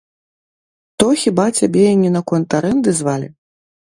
То хіба цябе не наконт арэнды звалі?